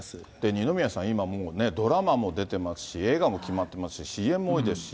二宮さん、今もうね、ドラマも出てますし、映画も決まってますし、ＣＭも多いですし。